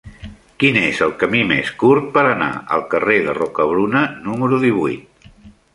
Quin és el camí més curt per anar al carrer de Rocabruna número divuit?